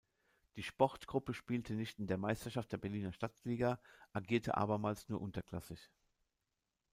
Die Sportgruppe spielte nicht in der Meisterschaft der Berliner Stadtliga, agierte abermals nur unterklassig.